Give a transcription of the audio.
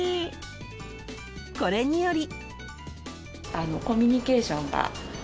［これにより］